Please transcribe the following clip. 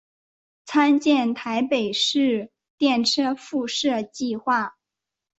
参见台北市电车敷设计画。